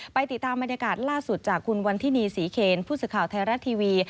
ติดตามบรรยากาศล่าสุดจากคุณวันทินีศรีเคนผู้สื่อข่าวไทยรัฐทีวี